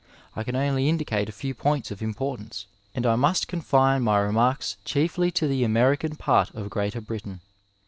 I can only indicate a few points of importance, and I must con fine my remarks chiefly to the American part of Greater Britain.